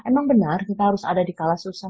emang benar kita harus ada di kala susah